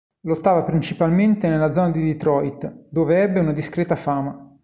Lottava principalmente nella zona di Detroit dove ebbe una discreta fama.